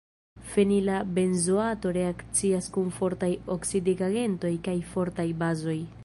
Fenila benzoato reakcias kun fortaj oksidigagentoj kaj fortaj bazoj.